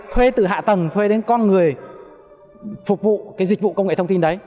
thuê từ hạ tầng thuê đến con người phục vụ cái dịch vụ công nghệ thông tin đấy